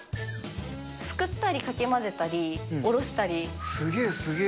すくったりかき混ぜたりおろすげぇ、すげぇ。